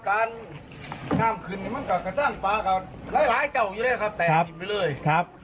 กระดียังดียังแต่ว่าการข้ามขึ้นมันก็สร้างปลาของหลายเจ้าอยู่เลยครับ